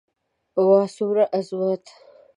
واه څومره عظمت.